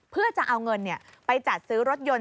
เพื่อจะเอาเงินไปจัดซื้อรถยนต์